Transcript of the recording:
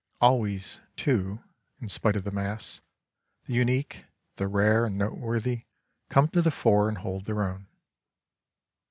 Always, too, in spite of the mass, — the unique, — the rare and noteworthy come to the fore and hold their own.